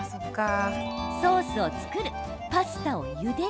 ソースを作る、パスタをゆでる